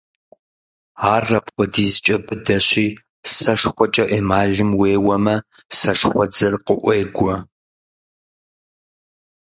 Ар апхуэдизкӀэ быдэщи, сэшхуэкӀэ эмалым уеуэмэ, сэшхуэдзэр къыӀуегуэ.